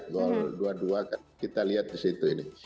gol dua dua kan kita lihat di situ ini